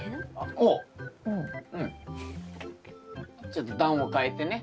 ちょっと段を変えてね。